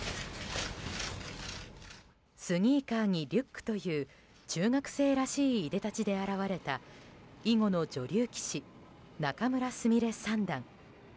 スニーカーにリュックという中学生らしいいでたちで現れた囲碁の女流棋士・仲邑菫三段。